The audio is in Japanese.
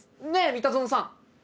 三田園さん。